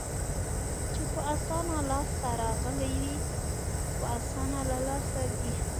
چې په اسانه لاس ته راغلي وي، په اسانه له لاسه ځي.